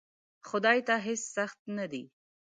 خدای ته هیڅ سخت نه دی!